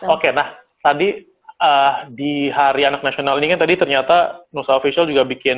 oke nah tadi di hari anak nasional ini kan tadi ternyata nusa official juga bikin